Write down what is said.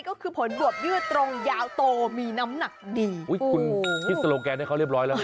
ก็คือยื่อตรงยาวโตมีน้ำหนักดีโอ้โหเขาเรียบร้อยแล้ว